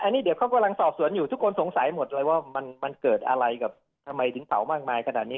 อันนี้เดี๋ยวเขากำลังสอบสวนอยู่ทุกคนสงสัยหมดเลยว่ามันเกิดอะไรกับทำไมถึงเผามากมายขนาดนี้